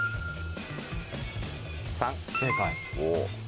３。正解。